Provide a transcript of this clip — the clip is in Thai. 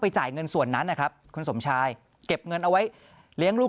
จ่ายเงินส่วนนั้นนะครับคุณสมชายเก็บเงินเอาไว้เลี้ยงลูก